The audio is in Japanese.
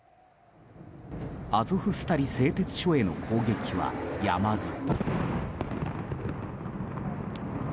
アゾフスタリ製鉄所への攻撃はやまず。